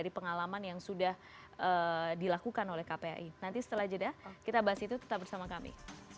dari pengalaman yang sudah dilakukan oleh kpai nanti setelah jeda kita bahas itu tetap bersama kami